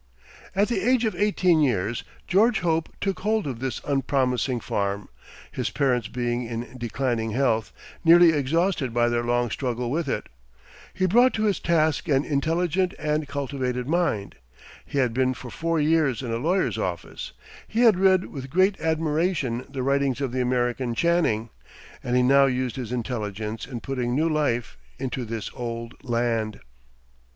At the age of eighteen years, George Hope took hold of this unpromising farm, his parents being in declining health, nearly exhausted by their long struggle with it. He brought to his task an intelligent and cultivated mind. He had been for four years in a lawyer's office. He had read with great admiration the writings of the American Channing; and he now used his intelligence in putting new life into this old land.